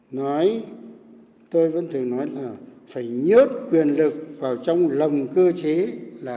nói tôi vẫn thường nói là phải nhốt quyền lực vào trong lồng cơ chế là với ý nghĩa như vậy